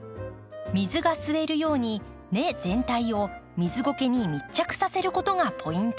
水が吸えるように根全体を水ごけに密着させることがポイント。